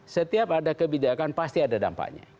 setiap ada kebijakan pasti ada dampaknya